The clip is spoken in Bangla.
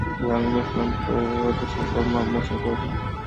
কারণ, ইসলাম পূর্ববর্তী সকল পাপ মোচন করে দেয়।